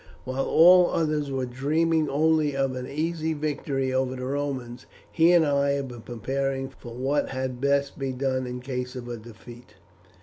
While all others were dreaming only of an easy victory over the Romans he and I have been preparing for what had best be done in case of defeat.